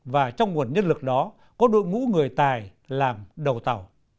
và trong nguồn nhân lực đó có đội ngũ người tài làm đầu tàu